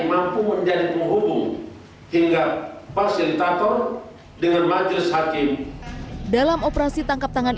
mampu menjadi penghubung hingga fasilitator dengan majelis hakim dalam operasi tangkap tangan